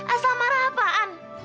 asal marah apaan